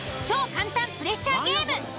超簡単プレッシャーゲーム。